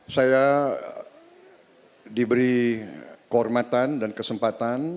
saya diberi kehormatan dan kesempatan